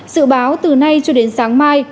sự báo từ nay cho đến sáng mai